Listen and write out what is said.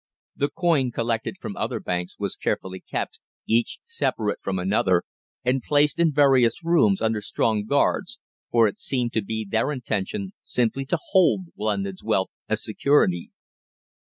The coin collected from other banks was carefully kept, each separate from another, and placed in various rooms under strong guards, for it seemed to be their intention simply to hold London's wealth as security.